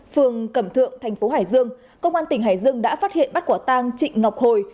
phường cẩm thượng thành phố hải dương công an tỉnh hải dương đã phát hiện bắt quả tang trịnh ngọc hồi